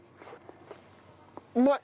うまい！